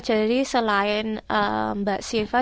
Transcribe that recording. jadi selain mbak siva